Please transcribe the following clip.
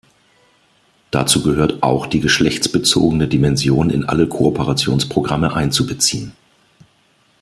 Dazu gehört auch, die geschlechtsbezogene Dimension in alle Kooperationsprogramme einzubeziehen.